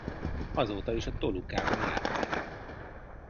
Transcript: Azóta is a Tolucában játszik.